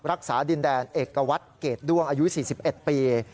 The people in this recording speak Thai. รักษาดินแดนเอกวัตรเกรดด้วงอายุ๔๑ปี